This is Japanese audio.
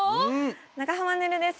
長濱ねるです